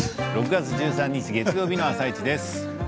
６月１３日月曜日の「あさイチ」です。